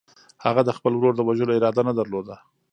هغه د خپل ورور د وژلو اراده نه درلوده.